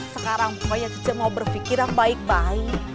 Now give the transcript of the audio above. sekarang pokoknya kita mau berpikir yang baik baik